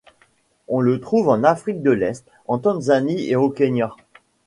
On le trouve en Afrique de l'Est, en Tanzanie et au Kenya.